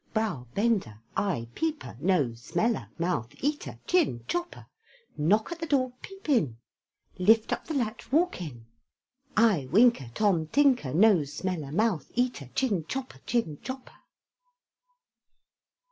Brow bender, Eye peeper, Nose smeller, Mouth eater, Chin chopper. Knock at the door peep in Lift up the latch walk in Eye winker, Tom Tinker, Nose smeller, Mouth eater, Chin chopper. Chin chopper.